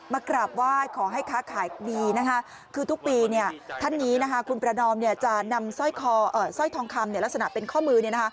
กราบไหว้ขอให้ค้าขายดีนะคะคือทุกปีท่านนี้คุณประนอมจะนำสร้อยทองคำลักษณะเป็นข้อมือ